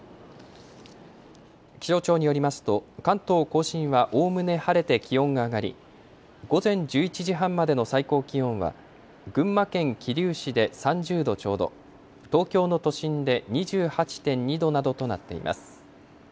気象庁によりますと関東甲信はおおむね晴れて気温が上がり午前１１時半までの最高気温は群馬県桐生市で３０度ちょうど、東京の都心で２８．２度などとなっています。